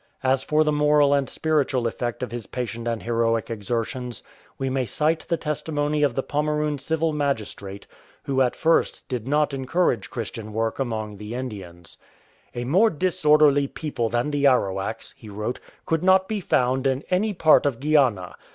As for the moral and spiritual effect of his patient and heroic exertions, we may cite the testimony of the Pomeroon civil magistrate, who at first did not encourage Christian work among the Indians :— "A more disorderly people than the Arawaks,'' he wrote, "could not be found in any part of Guiana.